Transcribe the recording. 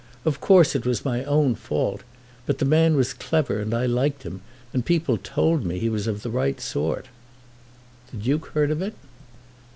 Of course it was my own fault. But the man was clever and I liked him, and people told me that he was of the right sort." "The Duke heard of it?"